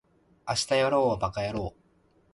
明日やろうはバカやろう